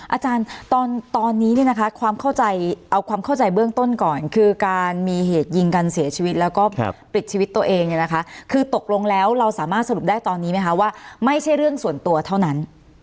อาจารย์ตอนนี้เนี่ยนะคะความเข้าใจเอาความเข้าใจเบื้องต้นก่อนคือการมีเหตุยิงกันเสียชีวิตแล้วก็ปิดชีวิตตัวเองเนี่ยนะคะคือตกลงแล้วเราสามารถสรุปได้ตอนนี้ไหมคะว่าไม่ใช่เรื่องส่วนตัวเท่านั้น